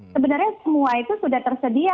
sebenarnya semua itu sudah tersedia